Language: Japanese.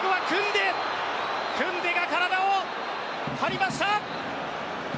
クンデが体を張りました！